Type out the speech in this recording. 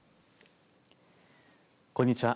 こんにちは。